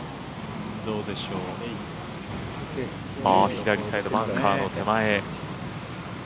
左サイドバンカーの手前。